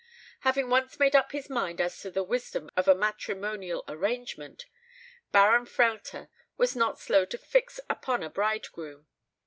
Having once made up his mind as to the wisdom of a matrimonial arrangement, Baron Frehlter was not slow to fix upon a bridegroom.